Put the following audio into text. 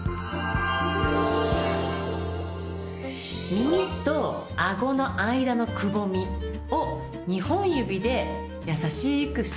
耳と顎の間のくぼみを２本指で優しく下に流します。